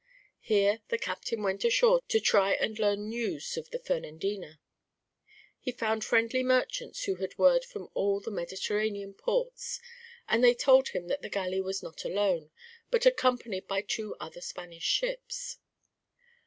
Here the captain went ashore to try and learn news of the Fernandina. He found friendly merchants who had word from all the Mediterranean ports, and they told him that the galley was not alone, but accompanied by two other Spanish ships.